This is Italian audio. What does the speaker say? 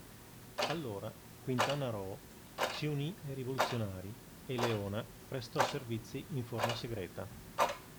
Allora Quintana Roo si unì ai rivoluzionari e Leona prestò servizi in forma segreta.